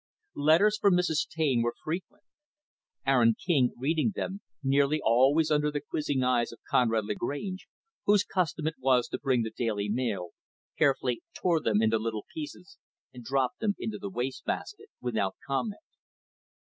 Letters from Mrs. Taine were frequent. Aaron King, reading them nearly always under the quizzing eyes of Conrad Lagrange, whose custom it was to bring the daily mail carefully tore them into little pieces and dropped them into the waste basket, without comment.